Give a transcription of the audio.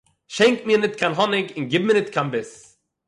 שענק מיר ניט קיין האָניק און גיב מיר ניט קיין ביס.